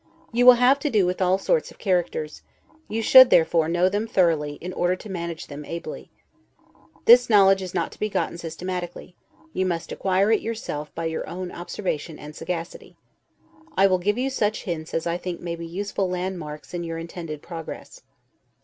You will have to do with all sorts of characters; you should, therefore, know them thoroughly, in order to manage them ably. This knowledge is not to be gotten systematically; you must acquire it yourself by your own observation and sagacity; I will give you such hints as I think may be useful land marks in your intended progress.